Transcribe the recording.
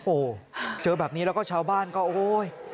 โอ้โหเจอแบบนี้แล้วก็ชาวบ้านก็โอ๊ย